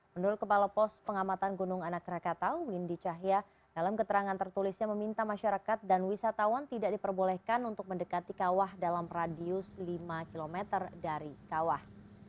menurut kepala pos pengamatan gunung anak rakatau windy cahya dalam keterangan tertulisnya meminta masyarakat dan wisatawan tidak diperbolehkan untuk mendekati kawah dalam radius lima km dari kawah